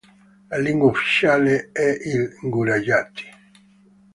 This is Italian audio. La lingua ufficiale è il gujarati.